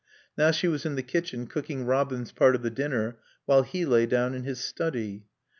Now she was in the kitchen cooking Robin's part of the dinner while he lay down in his study.